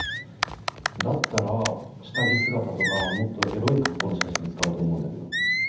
だったら下着姿とかもっとエロい格好の写真使うと思うんだけど。